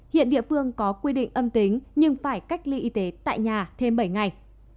hiện địa phương có quy định âm tính nhưng phải cách ly y tế tại nhà thêm bảy ngày